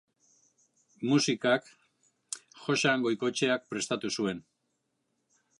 Musikak Joxan Goikoetxeak prestatu zuen.